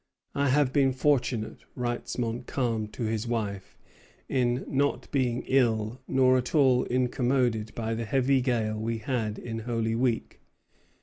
"I have been fortunate," writes Montcalm to his wife, "in not being ill nor at all incommoded by the heavy gale we had in Holy Week.